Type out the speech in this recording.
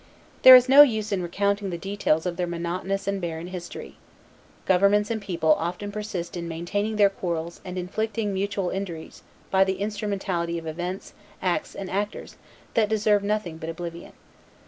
There is no use in recounting the details of their monotonous and barren history. Governments and people often persist in maintaining their quarrels and inflicting mutual injuries by the instrumentality of events, acts, and actors that deserve nothing but oblivion.